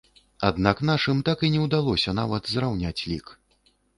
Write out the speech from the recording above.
Аднак нашым так і не ўдалося нават зраўняць лік.